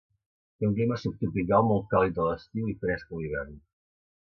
Té un clima subtropical molt càlid a l'estiu i fresc a l'hivern.